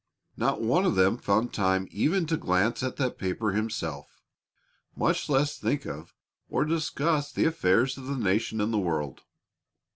Not one of them found time even to glance at that paper himself, much less think of, or discuss the affairs of the nation and the world.